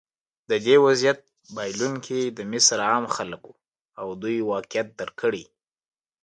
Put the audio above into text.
د دې وضعیت بایلونکي د مصر عام خلک وو او دوی واقعیت درک کړی.